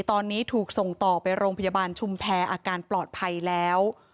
ตอนนี้ถูกส่งต่อไปโรงพยาบาลชุมแพรอาการปลอดภัยแล้ว